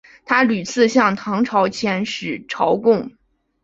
他屡次向唐朝遣使朝贡。